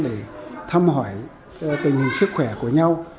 để thăm hỏi tình hình sức khỏe của nhau